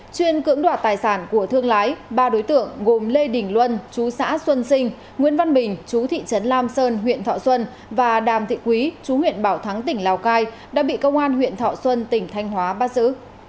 chuyên cưỡng đoạt tài sản của thương lái ba đối tượng gồm lê đình luân chú xã xuân sinh nguyễn văn bình chú thị trấn lam sơn huyện thọ xuân và đàm thị quý chú huyện bảo thắng tỉnh lào cai đã bị công an huyện thọ xuân tỉnh thanh hóa bắt giữ